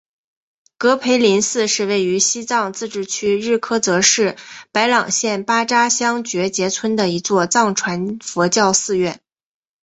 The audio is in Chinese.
格培林寺是位于西藏自治区日喀则市白朗县巴扎乡觉杰村的一座藏传佛教寺院。